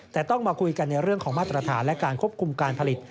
แต่ต้องมาคุยกันในเรื่องของมาตรฐานและการควบคุมการผลิต